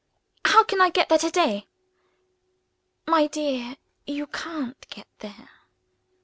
"How can I get there to day?" "My dear, you can't get there."